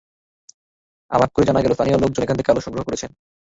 আলাপ করে জানা গেল, স্থানীয় লোকজন এখান থেকে আলু সংগ্রহ করেছেন।